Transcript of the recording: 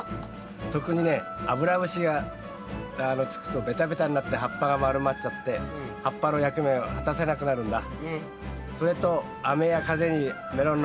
特にねアブラムシがつくとベタベタになって葉っぱが丸まっちゃって葉っぱの役目を果たせなくなるんだ。